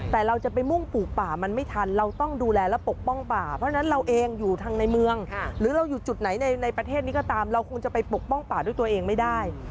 แต่เราจะไปมุ่งปลูกป่ามันไม่ทันเราต้องดูแลและปกป้องป่าเพราะฉะนั้นเราเองอยู่ทางในเมืองหรือเราอยู่จุดไหนในประเทศนี้ก็ตามเราคงจะไปปกป้องป่าด้วยตัวเองไม่ได้